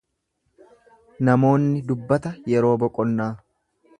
Namoonni dubbata yeroo boqonnaa.